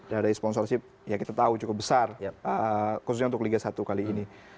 dari sponsorship ya kita tahu cukup besar khususnya untuk liga satu kali ini